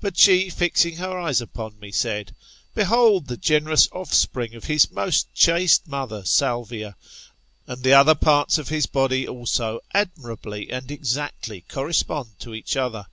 But ^he, fixing her eyes upon me, said. Behold the generous offspring of his most chaste mother Salvia ; and the other parts of his body, also, admirably and exactly correspond to each other.